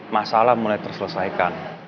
masalah mulai terselesaikan